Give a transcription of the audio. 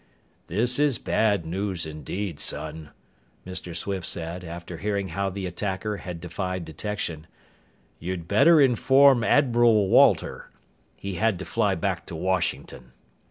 "This is bad news indeed, son," Mr. Swift said, after hearing how the attacker had defied detection. "You'd better inform Admiral Walter. He had to fly back to Washington."